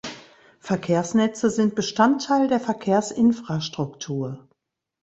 Verkehrsnetze sind Bestandteil der Verkehrsinfrastruktur.